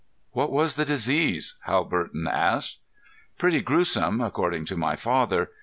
_ "What was the disease?" Hal Barton asked. "Pretty gruesome, according to my father.